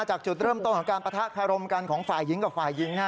จากจุดเริ่มต้นของการปะทะคารมกันของฝ่ายหญิงกับฝ่ายหญิง